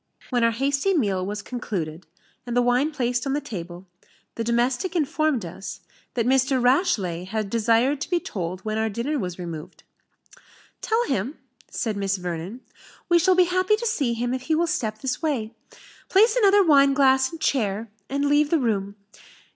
When our hasty meal was concluded, and the wine placed on the table, the domestic informed us, "that Mr. Rashleigh had desired to be told when our dinner was removed." "Tell him," said Miss Vernon, "we shall be happy to see him if he will step this way place another wineglass and chair, and leave the room.